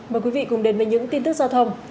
mời quý vị cùng đến với những tin tức giao thông